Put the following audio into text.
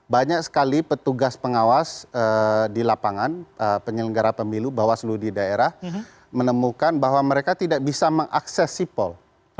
banyak sekali petugas pengawas di lapangan penyelenggara pemilu bawaslu di daerah menemukan bahwa mereka tidak bisa mengakses sipol